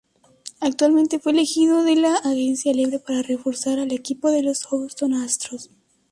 Actualmente fue Elegido dela agencia libre Para reforzar al equipo de Los Houston Astros.